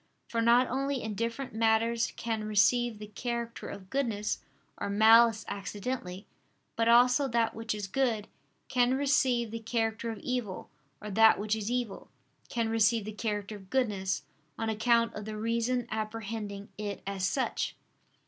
For not only indifferent matters can receive the character of goodness or malice accidentally; but also that which is good, can receive the character of evil, or that which is evil, can receive the character of goodness, on account of the reason apprehending it as such.